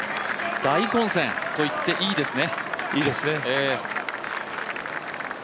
大混戦と言っていいですね。